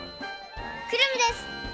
クラムです！